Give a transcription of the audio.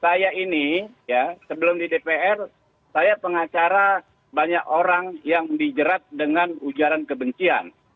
saya ini ya sebelum di dpr saya pengacara banyak orang yang dijerat dengan ujaran kebencian